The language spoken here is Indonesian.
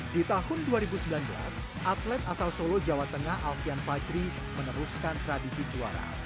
di tahun dua ribu sembilan belas atlet asal solo jawa tengah alfian fajri meneruskan tradisi juara